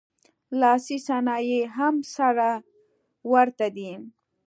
لاسي صنایع یې هم سره ورته دي